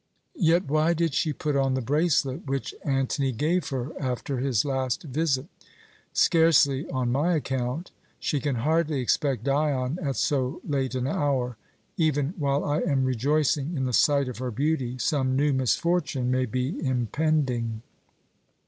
Yet why did she put on the bracelet which Antony gave her after his last visit? Scarcely on my account. She can hardly expect Dion at so late an hour. Even while I am rejoicing in the sight of her beauty, some new misfortune may be impending."